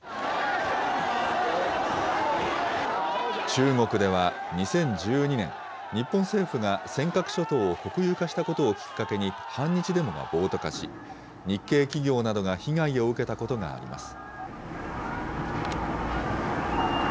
中国では２０１２年、日本政府が尖閣諸島を国有化したことをきっかけに、反日デモが暴徒化し、日系企業などが被害を受けたことなどがあります。